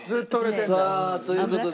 さあという事で。